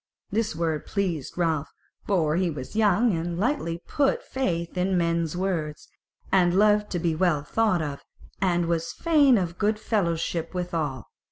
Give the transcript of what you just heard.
This word pleased Ralph, for he was young and lightly put faith in men's words, and loved to be well thought of, and was fain of good fellowship withal.